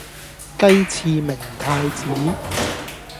雞翅明太子